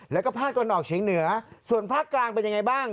แล้วก็ภาคตะวันออกเฉียงเหนือส่วนภาคกลางเป็นยังไงบ้าง